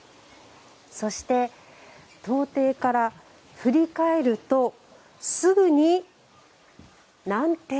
そして東庭から振り返るとすぐに南庭